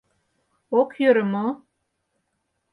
Ок йӧрӧ мо?..